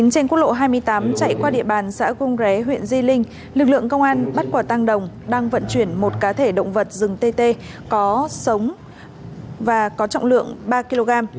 trên quốc lộ hai mươi tám chạy qua địa bàn xã cung ré huyện di linh lực lượng công an bắt quả tăng đồng đang vận chuyển một cá thể động vật rừng tt có sống và có trọng lượng ba kg